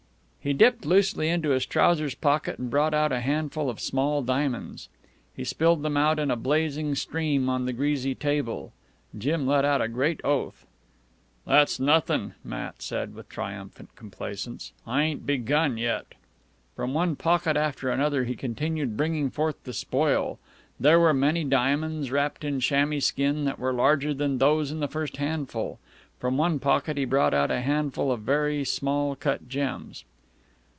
He dipped loosely into his trousers pocket and brought out a handful of small diamonds. He spilled them out in a blazing stream on the greasy table. Jim let out a great oath. "That's nothing," Matt said with triumphant complacence. "I ain't begun yet." From one pocket after another he continued bringing forth the spoil. There were many diamonds wrapped in chamois skin that were larger than those in the first handful. From one pocket he brought out a handful of very small cut gems.